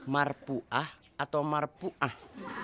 marpuah atau marpuah